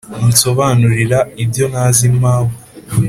unsobanurira ibyo ntazi mawe"